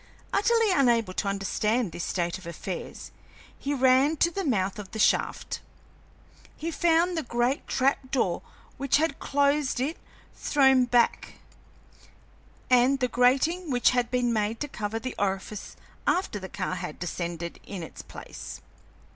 Utterly unable to understand this state of affairs, he ran to the mouth of the shaft. He found the great trap door which had closed it thrown back, and the grating which had been made to cover the orifice after the car had descended in its place.